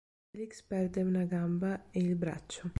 Felix perde una gamba e il braccio.